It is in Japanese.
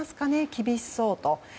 厳しそうと。